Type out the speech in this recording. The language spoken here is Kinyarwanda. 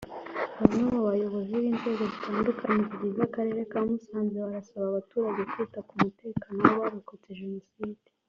Bamwe mu bayobozi b’inzego zitandukanye zigize Akarere ka Musanze barasaba abaturage kwita ku mutekano w’abarokotse Jenoside